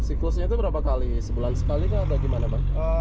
siklusnya itu berapa kali sebulan sekali atau bagaimana